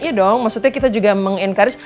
iya dong maksudnya kita juga meng encourage